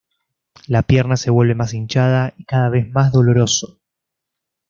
La pierna se vuelve más hinchada y cada vez más doloroso.